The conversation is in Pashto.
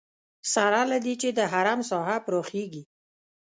سره له دې چې د حرم ساحه پراخېږي.